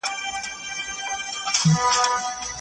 هغه د قضا د سپکاوي مخالف و.